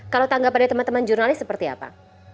kalau tanggapan dari teman teman jurnalis seperti apa